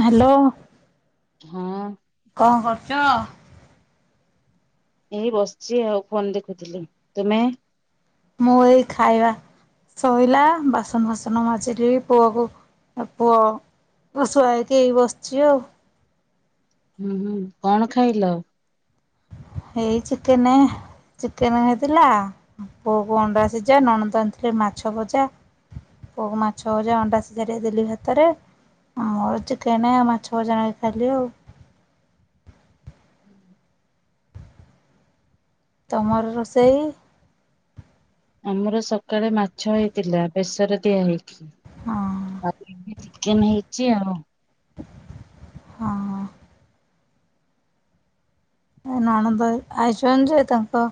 Hello. ହଁ କଣ କରୁଛ। ଏଇ ବସିଛି ଆଉ ଫୋନ ଦେଖୁଥିଲି ତୁମେ। ମୁଁ ଏଇ ଖାଇବା ଶୋଇଲା ବାସନ ଫାସନ ମାଜିଲି ପୁଅକୁ ପୁଅ ଶୁଆ ହେଇକି ହେଇ ବସିଛି ଆଉ। ହୁଁ ହୁଁ କଣ ଖାଇଲ। ଏଇ ଚିକେନ ଚିକେନ ଖାଇଥିଲା ପୁଅକୁ ଅଣ୍ଡା ସିଝା ନଣନ୍ଦ ଆଣିଥିଲେ ମାଛ ଭଜା ପୁଅକୁ ମାଛ ଭଜା ଅଣ୍ଡା ସିଝା ଦେଇଦେଲି ଭାତରେ ଆଉ ଚିକେନ ମାଛ ଭଜା ନଗେଇ ଖାଇଲି ଆଉ। ତମର ରୋଷେଇ। ଆମର ସକାଳେ ମାଛ ହେଇଥିଲା ବେସର ଦିଆ ହେଇ ହଁ । ଚିକେନ ହେଇଛି ଆଉ। ହଁ ହ। ନଣନ୍ଦ ଆଇଛନ୍ ଯେ ତାଙ୍କ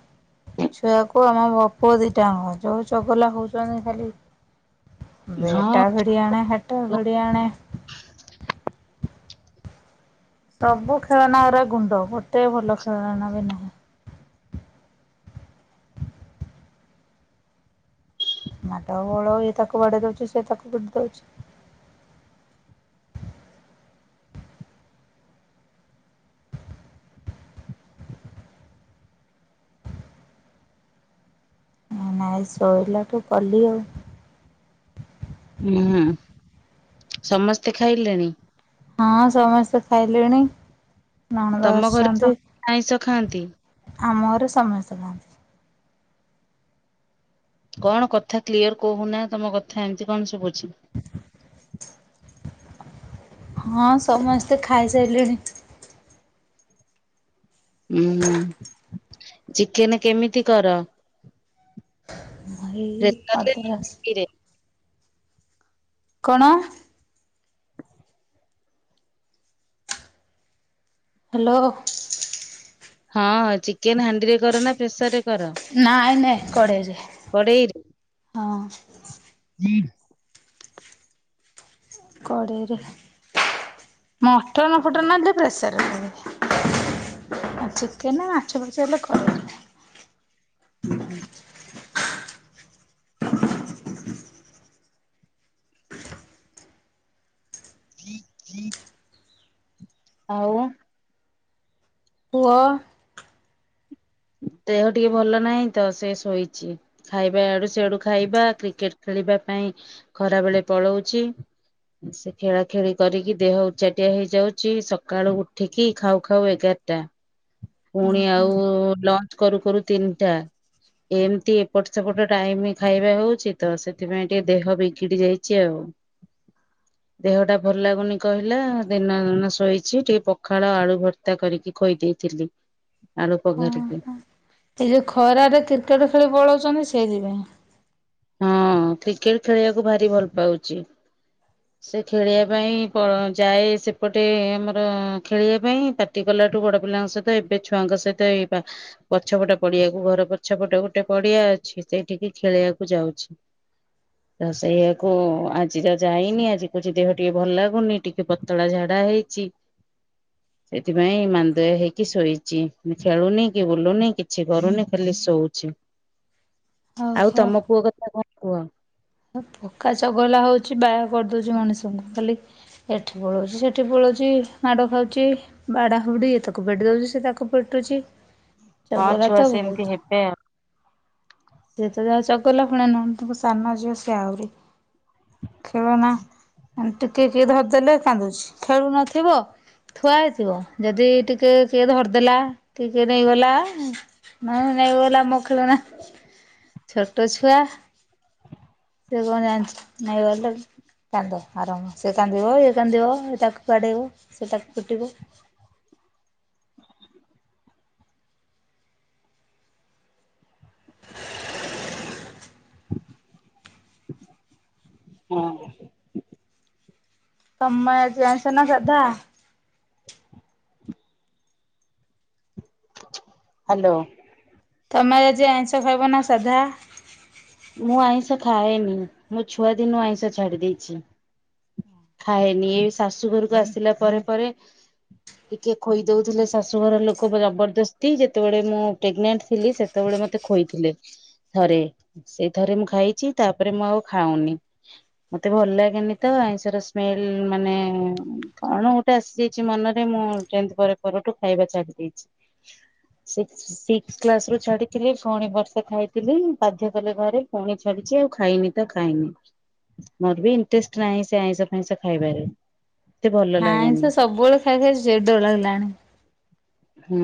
ଛୁଆକୁ ଆମ ବାପୁଅ ଦିଟା ଜଙ୍କ ଯୋଉ ଚଗଲା ହଉଛନ୍ତି ଖାଲି। ହଁ। ବେଟାପଡ଼ିଆଣେ ହେଟା ଛୁଆ ଭଡ଼ିଆଣେ। ସବୁ ଖେଳଣା ର ଗୁଣ୍ଡ ଗୋଟେ ଭଲ ଖେଳଣା ବି ନାହିଁ। ମାଡ଼ଗୋଳ ଏ ତାକୁ ବାଦେଇଦୌଚି ସେ ତାକୁ ପିଟି ଦଉଛି। ନାଇଁ ଶୋଇଲା ତୁ କଲି ଆଉ। ହୁଁ ହୁଁ ସମସ୍ତେ ଖାଇଲେଣି। ହଁ ସମସ୍ତେ ଖାଇଲେଣି। ନଣନ୍ଦ ତୋମ ଘରେ ଆସିଛନ୍ତି। ସମସ୍ତେ ଆଇଁଷ ଖାଆନ୍ତି। ଆମ ଘରେ ସମସ୍ତେ ଖାଆନ୍ତି। କଣ କଥା କ୍ଲିୟର୍ କହୁନା ତୋମ କଥା ଏମିତି କଣ ଶୁଭୁଚି? ହଁ ସମସ୍ତେ ଖାଇସାଇଲେଣି। ଉଁ, ହୁଁ, ଚିକେନ୍ କେମିତି କର? ଏଇ ପ୍ରେସର ଅଧା [inaudible] ରେ କଣ? ହ୍ୟାଲୋ। ହଁ ଚିକେନ୍ ହାଣ୍ଡି ରେ କର ନା ପ୍ରେସର୍ ରେ ନାଇଁ ନାଇଁ କଡ଼େଇ ରେ, କଡେଇରେ? ହଁ। [unintelligible] କଡ଼େଇରେ ମଟନ୍ ଫଟନ୍ ହେଲେ ପ୍ରେସର୍ ରେ କରେ ଆଉ ଚିକେନ୍ ମାଛ ଫାଛ ହେଲେ କଡ଼େଇରେ। ଉଁ, ହୁଁ, ଉଁ ଉଁ। ଆଉ ପୁଅ ଦେହ ଟିକେ ଭଲ ନାହିଁ ତ ସେ ଶୋଇଚି, ଖାଇବା ଆଡୁ ସିଆଡୁ ଖାଇବା କ୍ରିକେଟ୍ ଖେଳିବା ପାଇଁ ଖରା ବେଳେ ପଳଉଛି ସେ ଖେଳା ଖେଳି କରିକି ଦେହ ଉଚାଟିଆ ହେଇଯାଉଚି, ସକାଳୁ ଉଠିକି ଖାଉ ଖାଉ ଏଗାରଟା, ପୁଣି ଆଉ ଲଞ୍ଚ କରୁ କରୁ ତିନିଟା ଏମତି ଏପଟ ସେପଟ ଟାଇମ୍ ଖାଇବା ହଉଚି, ତ ସେଥିପାଇଁ ଟିକେ ଦେହ ବିଗିଡି ଯାଇଚି ଆଉ, ଦେହଟା ଭଲ ଲାଗୁନି କହିଲା ଦିନ ମାନ ଶୋଇଛି, ଟିକେ ପଖାଳ ଆଳୁ ଭର୍ତ୍ତା କରିକି ଖୋଇ ଦେଇଥିଲି। ଆଳୁ ପଘାରି। ସେ ଯୋଉ ଖରାରେ କ୍ରିକେଟ୍ ଖେଳି ପଳଉଚନ୍ତି ସେ ସେଇଥିପାଇଁ। ହଁ କ୍ରିକେଟ୍ ଖେଳିବାକୁ ଭାରି ଭଲ ପାଉଚି, ସେ ଖେଳିବା ପାଇଁ ପ-ଯାଏ ସେପଟେ ଆମର ଖେଳିବା ପାଇଁ ପାଟି କଲାଠୁ, ବଡ ପିଲାଙ୍କ ସହିତ ଏବେ ଛୁଆଙ୍କ ସହିତ ଏଇ ପା-ପଛପଟ ପଡିଆକୁ ଘର ପଛପଟ ଗୋଟେ ପଡିଆ ଅଛି ସେଇଠିକି ଖେଳିବା ଯାଉଛି ତ ସେଇଆକୁ ଆଜି ତ ଯାଇନି ଆଜି କହୁଚି ଦେହ ଟିକେ ଭଲ ଲାଗୁନି ଟିକେ ପତଳା ଝାଡା ହେଇଛି, ସେଥିପାଇଁ ମାନ୍ଦା ହେଇକି ଶୋଇଚି, ଖେଳୁନି କି ବୁଲୁନି କିଛି କରୁନି ଖାଲି ଶୋଉଛି। ଓ ହୋ। ତମ ପୁଅ ଆଉ କଥା କଣ କୁହ? [inaudible] ପକା ଚଗଲା ହଉଛି ବା କରିଦଉଚି ମଣିଷଙ୍କୁ ଖାଲି ଏଠି ପଳଉଚି ସେଠି ପଳଉଚି ମାଡ଼ ଖାଉଚି, ବାଡ଼ା ହୁଡ଼ି ଏ ତାକୁ ପିଟି ଦଉଚି, ସେ ତାକୁ ପିଟୁଛି। ହଁ ଛୁଆ ସେମିତି ହେବେ। ସିଏ ତ ଯାହା ଚଗଲା, ପୁଣି ନଣନ୍ଦଙ୍କ ସାନ ଝିଅ ସିଏ ଆହୁରି। ଖେଳନା ଅଁ, ଟିକେ କିଏ ଧରିଦେଲେ କାନ୍ଦୁଛି, ଖେଳୁନଥିବ ଥୁଆ ହେଇଥିବ ଯଦି ଟିକେ କିଏ ଧରିଦେଲା ଟିକେ ନେଇଗଲା ମା ନେଇଗଲା ମୋ ଖେଳନା। ଛୋଟ ଛୁଆ। ସେ କଣ ଜାଣିଚି ନେଇଗଲେ କାନ୍ଦ ଆରମ୍ଭ ସିଏ କାନ୍ଦିବ ଇଏ କାନ୍ଦିବ ଏ ତାକୁ ବାଡେଇବ ସେ ତାକୁ ପିଟିବ। [inaudible] ହଁ। ତୋମର ଆଜି ଆଇଁଷ ନା ସାଧା? ହାଲୋ। ତୋମର ଆଜି ଆଇଁଷ ଖାଇବ ନା ସାଧା? ମୁଁ ଆଇଁଷ ଖାଏନି, ମୁଁ ଛୁଆ ଦିନୁ ଆଇଁଷ ଛାଡି ଦେଇଛି, ଖାଏନି ଏ ଶାଶୁ ଘରକୁ ଆସିଲା ପରେ ପରେ ଟିକେ ଖୋଇଦଉଥିଲେ ଶାଶୁଘର ଲୋକ ଜବରଦସ୍ତି ଯେତେବେଳେ ମୁଁ ପ୍ରେଗନେଣ୍ଟ ଥିଲି ସେତେବେଳେ ମୋତେ ଖୋଇଥିଲେ ଥରେ। ସେଇ ଥରେ ମୁଁ ଖାଇଛି, ତାପରେ ମୁଁ ଆଉ ଖାଉନି, ମୋତେ ଭଲ ଲାଗେନି ତ ଆଇଁଷର ସ୍ମେଲ୍ ମାନେ କଣ ଗୋଟେ ଆସିଯାଇଛି ମନରେ ମୁଁ ଟେନଥ୍ ପର ପରଠୁ ଖାଇବା ଛାଡି ଦେଇଛି, ସିକ୍ ସିକ୍ସ କ୍ଲାସ୍ ରୁ ଛାଡିଥିଲି ପୁଣି ବର୍ଷେ ଖାଇଥିଲି, ବାଧ୍ୟ କଲେ ଘରେ ପୁଣି ଛାଡିଚି, ଆଉ ଖାଇନି ତ ଖାଇନି ମୋର ବି ଇଣ୍ଟରେଷ୍ଟ ନାହିଁ ସେ ଆଇଁଷ ଫାଇଁସ ଖାଇବାରେ। ଏତେ ଭଲ ଲାଗେନି। ଆଇଁଷ ସବୁବେଳେ ଖାଇ ଖାଇ ଚିଡା ଲାଗିଲାଣି‌। ହୁଁ।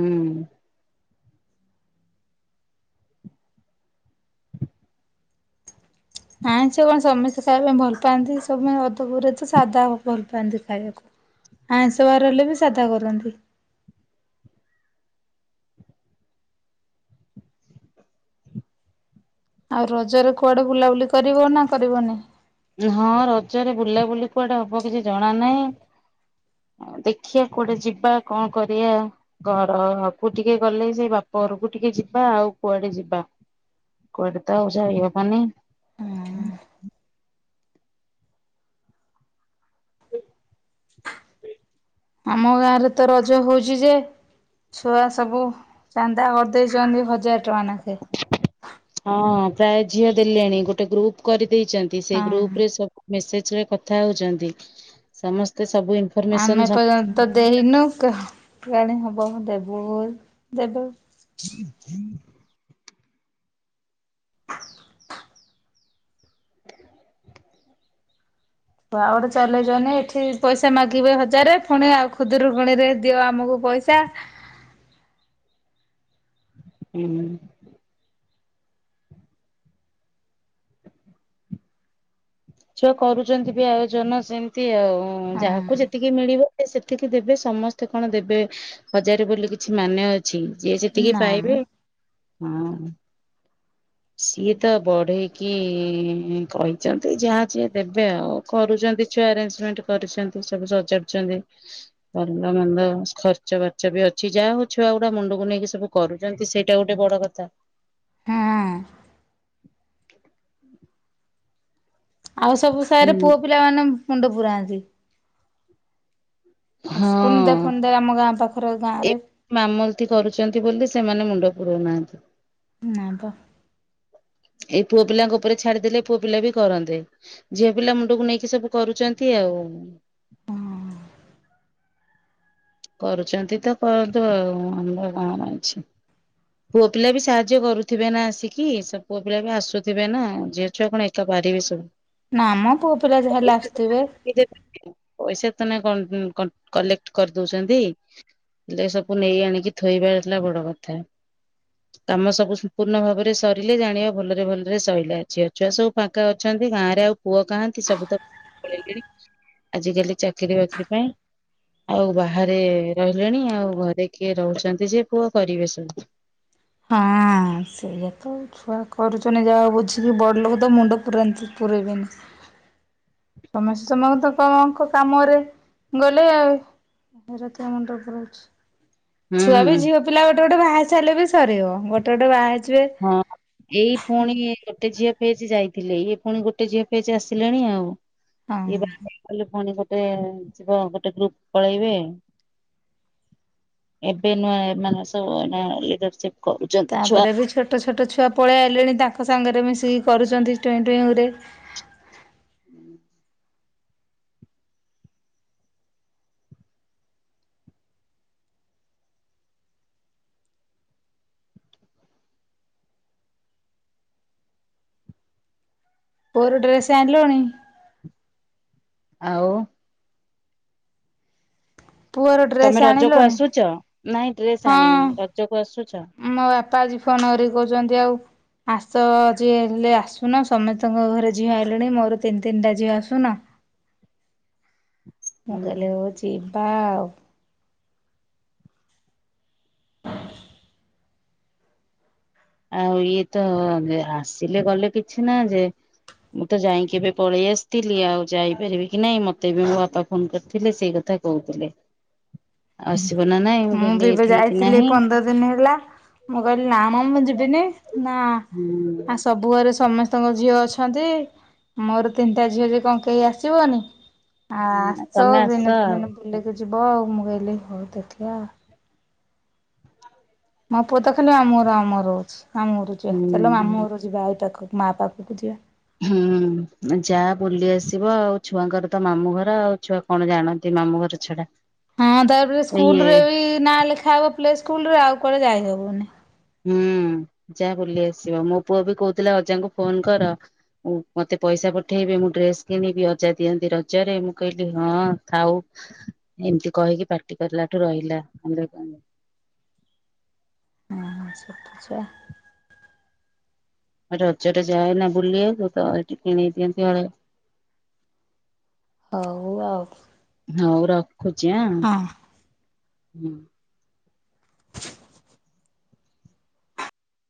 ଆଇଁଷ କଣ ସମସ୍ତେ ଖାଇବା ପାଇଁ ଭଲ ପାଆନ୍ତି କି ସବୁ ଅଧପରେ ତ ସାଧା ଭଲ ପାଆନ୍ତି ଖାଇବାକୁ ଆଇଁଷ ବାର ହେଲେ ବି ସାଧା କରନ୍ତି। ଆଉ ରଜରେ କୁଆଡେ ବୁଲାବୁଲି କରିବ ନା କରିବନି? ହଁ ରଜରେ ବୁଲାବୁଲି କୁଆଡେ ହବ କିଛି ଜଣା ନାହିଁ ଦେଖିବା କୁଆଡେ ଯିବା କଣ କରିବା ଘରକୁ ଟିକେ ଗଲେ ସେଇ ବାପ ଘରକୁ ଟିକେ ଯିବା ଆଉ କୁଆଡେ ଯିବା କୁଆଡେ ତ ଆଉ ଯାଇହବନି। ଆମ ଗାଁ ରେ ତ ରଜ ହଉଚି ଯେ ଛୁଆ ସବୁ ଚାନ୍ଦା ଆଦଇଛନ୍ତି ହଜାର ଟଙ୍କା ନାଖେ। ହଁ ପ୍ରାୟ ଝିଅ ଦେଲେଣି ଗୋଟେ ଗ୍ରୁପ କରି ଦେଇଛନ୍ତି ସେ ହଁ ଗ୍ରୁପ ରେ ସବୁ ମେସେଜ ରେ କଥା ହଉଛନ୍ତି ସମସ୍ତେ ସବୁ ଆମେ ଇନଫରମେସନ ଏପର୍ଯ୍ୟନ୍ତ ଦେଇନୁ କୁଆଡେ ହବ? ବହୁ ଦେବୁ ଦେବୁ। ହୁଁ ହୁଁ। [unintelligible] ଏଠି ପଇସା ମାଗିବେ ହଜାରେ ପୁଣି ଆଉ ଖୁଦରୁ କୁଣିରେ ଦିଅ ଆମକୁ ପଇସା। ଉଁ ହୁଁ। ଛୁଏ କରୁଚନ୍ତି ବି ଆୟୋଜନ ସେମିତି ଆଉ। ହୁଁ ହଁ ଯାହାକୁ ଯେତିକି ମିଳିବ। ସେତିକି ଦେବେ ସମସ୍ତେ କଣ ଦେବେ ହଜାରେ ବୋଲି କିଛି ମାନେ ଅ ଛି ଯିଏ ଯେତିକି ନା ମ ପାଇବେ। ହଁ। ସିଏ ତ ବଢେଇକି କହିଚନ୍ତି ଯାହା ଯିଏ ଦେବେ ଆଉ କରୁଛନ୍ତି ଛୁଆ ଆରେଞ୍ଜମେଣ୍ଟ କରିଛନ୍ତି ସବୁ ସଜାଡଚନ୍ତି ମନ୍ଦ ମନ୍ଦ ଖର୍ଚ ବାର୍ଚ୍ଚ ବି ଅଛି ଯାହା ହଉ ଛୁଆ ଗୁଡା ମୁଣ୍ଡକୁ ନେଇକି ସବୁ କରୁଛନ୍ତି ସେଇଟା ଗୋଟେ ବଡ କଥା। ହଁ [inaudible] ଆଉ ସବୁ ହୁଁ ସାରେ ପୁଅ ପିଲା ମାନେ। ମୁଣ୍ଡ ପରାନ୍ତି। ଆସ କୁନ୍ଦା ହଁ ଫୁନ୍ଦା ଆମ ଗାଁ ପାଖ ଏ ମାମଲତି କରୁଚନ୍ତି ବୋଲି ସେମାନେ ମୁଣ୍ଡ ପୁରଉନାହାନ୍ତି। ନାପା। ଏଇ ପୁଅ ପିଲାଙ୍କ ଉପରେ ଛାଡିଦେଲେ ପୁଅ ପିଲା ବି କରନ୍ତେ ଝିଅ ପିଲା ମୁଣ୍ଡକୁ ନେଇକି ସବୁ କରୁଛନ୍ତି ଆଉ। କରୁଚନ୍ତି ତ କଅନ୍ତୁ ଆଉ ଆମର କଣ ଅଛି ପୁଅ ପିଲା ବି ସାହାଯ୍ୟ କରୁଥିବେ ନା ଆସିକି ସ ପୁଅ ପିଲା ବି ଆସୁଥିବେ ନା ଝିଅ ଛୁଆ କଣ ଏକା ପାରିବେ ସବୁ। ନା ମ ପୁଅ ପିଲା ଯା ହେଲେ ପଇସା ଆସୁଥିବେ। [unintelligible] କଲେକ୍ଟ କରି ଦଉଚନ୍ତି ହେଲେ ସବୁ ନେଇ ଆଣିକି ଥୋଇବା ହେଲା ବଡ କଥା କାମ ସବୁ ସମ୍ପୂର୍ଣ୍ଣ ଭାବରେ ସରିଲେ ଜାଣିବା ଭଲରେ ଭଲରେ ସରିଲା ଝିଅ ଛୁଆ ସବୁ ଫାଙ୍କା ଅଛନ୍ତି ଗାଁ ରେ ଆଉ ପୁଅ କାହାନ୍ତି ସବୁ ତ ପଳେଇଣି ଆଜିିକାଲି ଚାକିରି ବାକିରି ପାଇଁ ଆ ଆଉ ବାହାରେ ରହିଲେଣି ଆଉ ଘରେ କିଏ ରହୁଚନ୍ତି ଯେ ପୁଅ କରିବେ ସବୁ। ହଁ ସେଇଆ ତ ଆଉ ଛୁଆ କରୁଚନ୍ତି ଯାହାହୋଉ ବୁଝିକି ବଡ ଲୋକ ତ ମୁଣ୍ଡ ପୁରାନ୍ତି ପୁରାଇବେନି। ତମେ ସମସ୍ତକଙ୍କ କାମରେ ଗଲେ ଆଉ ହେରା କିଏ ମୁଣ୍ଡ ପୁରେଇବ। ଛୁଆ ବି ହୁଁ। ଝିଅ ପିଲା ଗୋଟେ ଗୋଟେ ବାହାହେଇ ସେଲେ ବି ସରିବ ଗୋଟେ ଗଟେ ବାହେଇ ହଁ ଏଇ ପୁଣି ଗୋଟେ ଝିଅ ଫେଜି ଯାଇଥିଲେ ଇଏ ପୁଣି ଗୋଟେ ଝିଅ ଫେଜ ଆସିଲେଣି ଆଉ। ହଁ। ଇଏ ବାହା ହେଇଗଲେ ପୁଣି ଗୋଟେ। ଟେ ଯିବ ଗୋଟେ ଗ୍ରୁପ ପଳେଇବେ । ଏବେ ନୁଆ ଏ ମାନ ସବୁ ଏଇନା ଲିଡରସିପ କରୁଛନ୍ତି ଛୁଆ। ତାପରେ ବି ଛୋଟ ଛୋଟ ଛୁଆ ପଳେଇ ଆଲେଣି ତାଙ୍କ ସାଙ୍ଗରେ ମିଶିକି କରୁଛନ୍ତି ଟୁଇଁ ଟୁଇଁ ଗୁରେ। ପୁଅର ଡ୍ରେସ ଆଇଁଲୁନି। ଆଉ। ପୁଅର ତମେ ଡ୍ରେସ ରଜକୁ ଆଣିଲୁଣି। ଆସୁଛ? ନାଇଁ ଡ୍ରେସ ଆଣିନି, ରଜକୁ ଆସୁଚ। ପା ଆଜି ଫୋନ କରି କହୁଚନ୍ତି ଆଉ ଆସ ଯିଏ ହେଲେ ଆସୁନ ସମେତଙ୍କ ଘରେ ଝିଅ ଆଇଲେଣି ମୋର ତିନି ତିନିଟା ଝିଅ ଆସୁନ। ମୁଁ ହୁଁ। କହିଲି ହୋଉ ଯିବା ଆଉ। [inaudible] ଆଉ ଇଏ ତ ଆସିଲେ ଗଲେ କିଛି ନା ଯେ ମୁଁ ତ ଯାଇକି ଏବେ ପଳେଇ ଆସିଥିଲି ଆଉ ଯାଇପାରିବି କି ନାଇଁ ମତେ ବି ମୋ ବାପା ଫୋନ କରିଥିଲେ ସେଇ କଥା କହୁଥିଲେ ଆସ ମୁଁ ବି ଏବେ ଯାଇଥିଲି ପନ୍ଦର ଦିନ ହେଲା ମୁଁ କହିଲି ନା ମ ମୁଁ ଯିବ ବିନି। ନା ହୁଁ ଆ ସବୁ ଘରେ ସମସ୍ତେ ତଙ୍କ ଝିଅ ଅଛନ୍ତି ମୋର ତିନିଟା ଝିଅ ଯେ କଣ କେହି ଆସିବନି। ଆ ଆସ ଛ ତମେ ଆସ ଦିନେ ଦି ଆଉ। ଦିନେ ବୁଲିକି ଯିବ ଆଉ ମୁଁ କହିଲି ହଉ ବାଆ ମୋ ପୁଅ ତ ଖାଲି ମାମୁଁର ମାମୁଁ ର ହୋଉଛି। ମାମୁଁ ଗରୁ ଯିବା ହୁଁ ଚାଲ ମାମୁଁ ଘରୁ ଯିବା ଆ ପାଖ ମାଆ ପାଖକୁ ଯିବା। ହୁଁ ଯା ବୁଲି ଆସିବ ଆଉ ଛୁଆଙ୍କର ତ ମାମୁଁ ଘର ଆଉ ଛୁଆ କଣ ଜାଣନ୍ତି ମାମୁଁ ଘର ଛଡା। ହଁ ତାପରେ ଇଏ ସ୍କୁଲ ରେ ବି ନାଁ ଲେଖା ହବ ପ୍ଲେସ୍ ସ୍କୁଲ ରେ ଆଉ କୁଆଡେ ଯାଇ ହବନି। ହୁଁ ଯା ବୁଲି ଆସିବ ମୋ ପୁଅ ବି କହୁଥିଲା ଅଜାଙ୍କୁ ଫୋନ କର ମୁ ମତେ ପଇସା ପଠେଇବି ମୁଁ ଡ୍ରେସ କିଣିବି ଅଜା ଦିଅନ୍ତି ରଜରେ ମୁଁ କହିଲି ହଁ ଥାଉ ଏମିତି କହିକି ପାର୍ଟି କରିଲା ଠୁ ରହିଲା। ଆଚ୍ଛା। ରଜରେ ଯାଏ ନା ବୁଲିବାକୁ ତ ଏଠି କିଣେଇ ଦିଅନ୍ତି ହଳେ ହଉ ଆଉ। ହଉ ର ଖୁଛି ଆ। ହଁ। ହୁଁ।